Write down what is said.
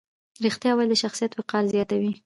رښتیا ویل د شخصیت وقار زیاتوي.